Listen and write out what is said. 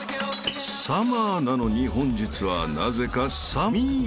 ［サマーなのに本日はなぜか寒ぃ］